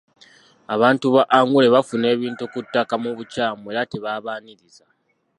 Abantu ba Angule baafuna ebintu ku ttaka mu bukyamu era tebaabaniriza.